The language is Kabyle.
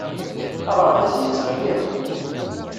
Aɣerbaz yettqelliq.